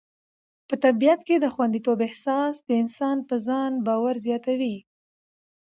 په طبیعت کې د خوندیتوب احساس د انسان په ځان باور زیاتوي.